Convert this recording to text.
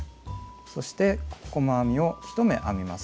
そして細編みを１目編みます。